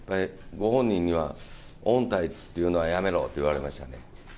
ご本人には御大って言うのはやめろと言われましたね。